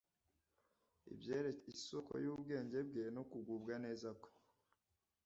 ibyerekeye isoko y'ubwenge bwe no kugubwa neza kwe